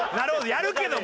やるけども！